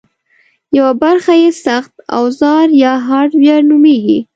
یوه برخه یې سخت اوزار یا هارډویر نومېږي